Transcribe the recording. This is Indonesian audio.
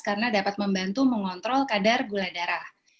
karena dapat membantu mengontrol kadar gula darah